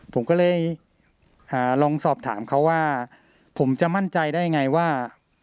ผมก็เลยลองสอบถามเขาว่าผมจะมั่นใจได้ยังไงว่า